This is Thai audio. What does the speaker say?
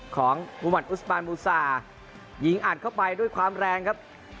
ของมุมัติอุสปานบูซายิงอัดเข้าไปด้วยความแรงครับ